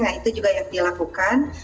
nah itu juga yang dilakukan